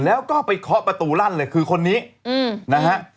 แล้วก็ไปเคาะประตูลั่นเลยคือคนนี้นะฮะ